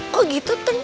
kok gitu tung